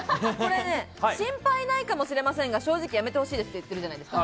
心配ないかもしれませんが正直やめて欲しいです、と言っているじゃないですか。